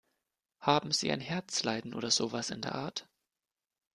Haben Sie ein Herzleiden oder sowas in der Art?